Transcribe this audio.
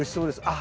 あ。